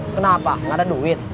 kenapa gak ada duit